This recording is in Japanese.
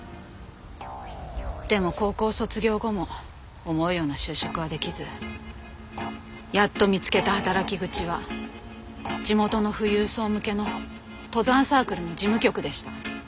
でも高校卒業後も思うような就職はできずやっと見つけた働き口は地元の富裕層向けの登山サークルの事務局でした。